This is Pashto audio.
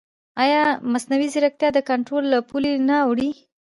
ایا مصنوعي ځیرکتیا د کنټرول له پولې نه اوړي؟